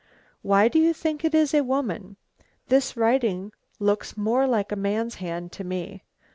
"Why do you think it is a woman? This writing looks more like a man's hand to me.